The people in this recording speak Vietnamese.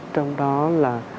trong đó là